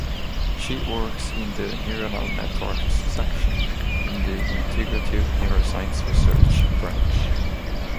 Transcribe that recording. She works in the neuronal networks section in the integrative neuroscience research branch.